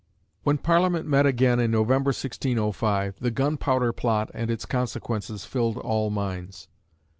When Parliament met again in November, 1605, the Gunpowder Plot and its consequences filled all minds.